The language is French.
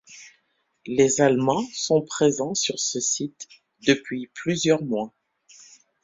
Les Allemands sont présents sur ce site depuis plusieurs mois.